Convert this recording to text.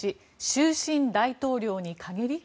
終身大統領に陰り？